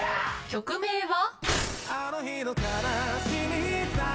曲名は？